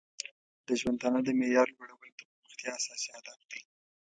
د ژوندانه د معیار لوړول د پرمختیا اساسي هدف دی.